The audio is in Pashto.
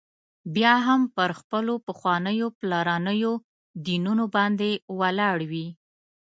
بیا هم پر خپلو پخوانیو پلرنيو دینونو باندي ولاړ وي.